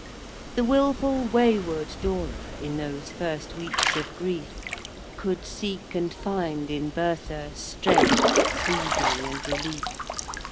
IV. The wilful, wayward Dora, In those first weeks of grief, Could seek and find in Bertha Strength, soothing, and relief.